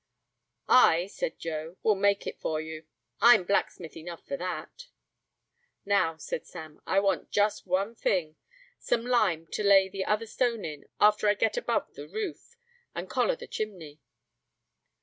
"I," said Joe, "will make it for you; I'm blacksmith enough for that." "Now," said Sam, "I want just one thing some lime to lay the stone in after I get above the roof, and collar the chimney."